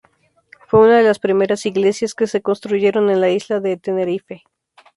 Fue una de las primeras iglesias que se construyeron en la isla de Tenerife.